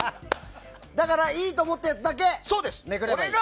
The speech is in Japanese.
だからいいと思ったやつだけめくればいいと。